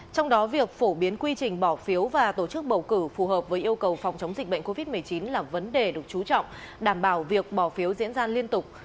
trong đó việc phổ biến quy trình bỏ phiếu và tổ chức bầu cử phù hợp với yêu cầu phòng chống dịch bệnh covid một mươi chín là vấn đề được chú trọng đảm bảo việc bỏ phiếu diễn ra liên tục